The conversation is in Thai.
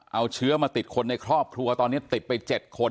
เอาเชื้อมาติดคนในครอบครัวตอนนี้ติดไป๗คน